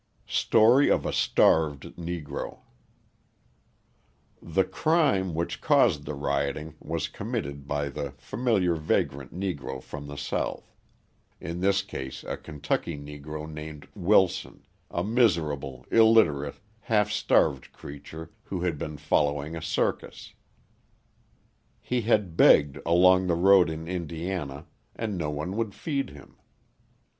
Story of a Starved Negro The crime which caused the rioting was committed by the familiar vagrant Negro from the South in this case a Kentucky Negro named Wilson a miserable, illiterate, half starved creature who had been following a circus. He had begged along the road in Indiana and no one would feed him.